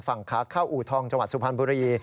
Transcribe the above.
ฝั่งขาเข้าอู่ทองจังหวัดสุพรรณบุรี